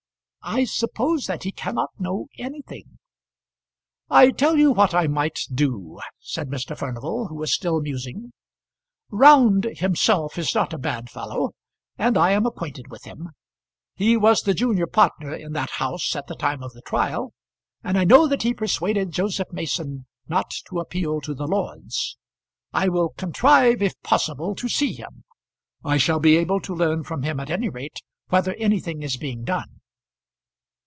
"I suppose that he cannot know anything." "I tell you what I might do," said Mr. Furnival, who was still musing. "Round himself is not a bad fellow, and I am acquainted with him. He was the junior partner in that house at the time of the trial, and I know that he persuaded Joseph Mason not to appeal to the Lords. I will contrive, if possible, to see him. I shall be able to learn from him at any rate whether anything is being done."